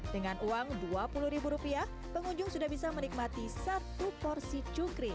dengan uang dua puluh ribu rupiah pengunjung sudah bisa menikmati satu porsi cukring